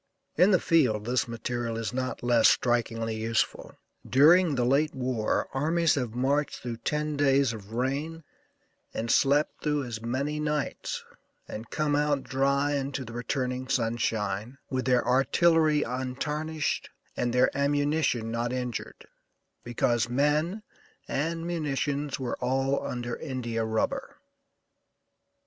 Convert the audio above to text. In the field this material is not less strikingly useful. During the late war armies have marched through ten days of rain and slept through as many nights, and come out dry into the returning sunshine with their artillery untarnished and their ammunition not injured, because men and munitions were all under India rubber."